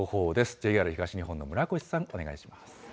ＪＲ東日本の村越さん、お願いし